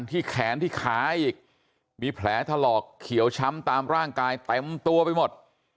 ที่แขนที่ขาอีกมีแผลถลอกเขียวช้ำตามร่างกายเต็มตัวไปหมด